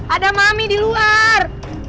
ada mami diluar